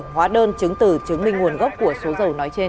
hóa đơn chứng từ chứng minh nguồn gốc của số dầu nói trên